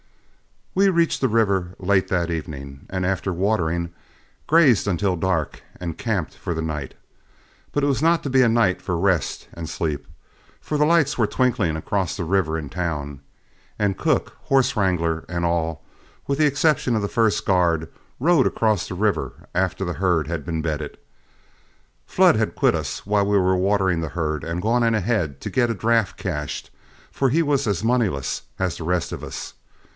We reached the river late that evening, and after watering, grazed until dark and camped for the night. But it was not to be a night of rest and sleep, for the lights were twinkling across the river in town; and cook, horse wrangler, and all, with the exception of the first guard, rode across the river after the herd had been bedded. Flood had quit us while we were watering the herd and gone in ahead to get a draft cashed, for he was as moneyless as the rest of us.